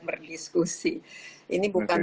berdiskusi ini bukan